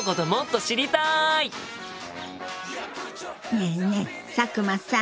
ねえねえ佐久間さん。